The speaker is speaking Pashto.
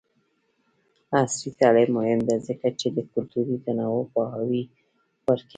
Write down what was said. عصري تعلیم مهم دی ځکه چې د کلتوري تنوع پوهاوی ورکوي.